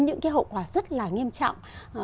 những cái hậu quả rất là nghiêm trọng